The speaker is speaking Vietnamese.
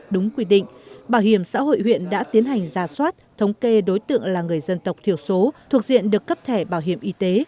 đúng quy định bảo hiểm xã hội huyện đã tiến hành ra soát thống kê đối tượng là người dân tộc thiểu số thuộc diện được cấp thẻ bảo hiểm y tế